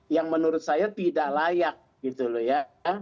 yang menurut saya tidak layak gitu loh ya